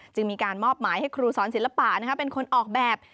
จึงมีการมอบหมายให้ครูสอนศิลปะเป็นคนออกแบบ